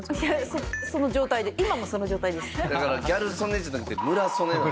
その状態で今もその状態です。